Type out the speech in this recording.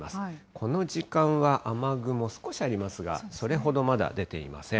この時間は雨雲、少しありますが、それほどまだ出ていません。